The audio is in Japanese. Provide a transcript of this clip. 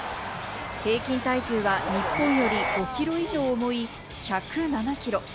平均体重は日本より５キロ以上重い、１０７キロ。